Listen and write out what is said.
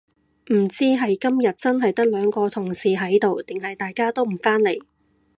唔知係今日真係得兩個同事喺度定係大家都唔返嚟